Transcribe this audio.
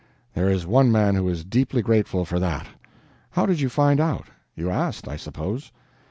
"There is one man who is deeply grateful for that. How did you find out? You asked, I suppose?"